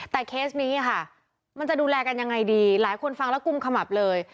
แต่เคสนี้ค่ะมันจะดูแลกันยังไงดีหลายคนฟังแล้วกุมขมับเลย